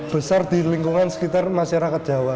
besar di lingkungan sekitar masyarakat jawa